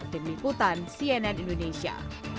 demikutan cnn indonesia